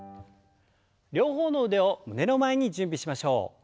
両方の腕を胸の前に準備しましょう。